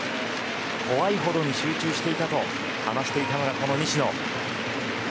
怖いほどに集中していたと話していたのが、この西野。